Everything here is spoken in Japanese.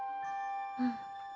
うん。